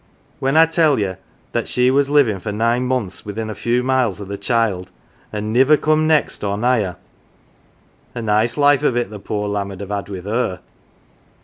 When I tell ye that she was living for nine months within a few miles o' the child, an 1 niver come next or nigh her. A nice life of it the poor lamb 'ud have had with her."